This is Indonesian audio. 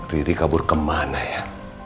riri kabur kemana ya